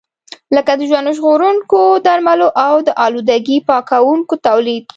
لکه د ژوند ژغورونکو درملو او د آلودګۍ پاکونکو تولید.